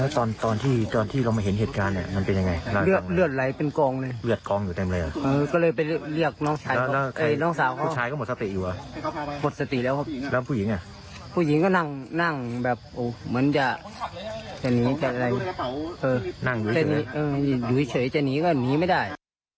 จะหนีจะอะไรอยู่เฉยจะหนีก็หนีไม่ได้